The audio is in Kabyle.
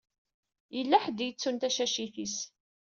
Yella ḥedd i yettun tacacit-is.